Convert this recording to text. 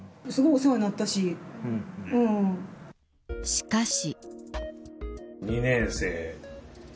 しかし。